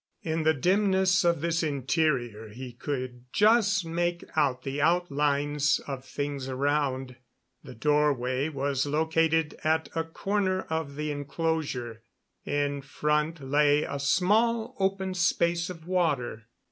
In the dimness of this interior he could just make out the outlines of things around. The doorway was located at a corner of the inclosure. In front lay a small open space of water.